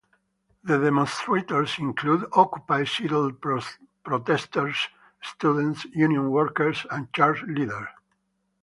The demonstrators included Occupy Seattle protesters, students, union workers, and church leaders.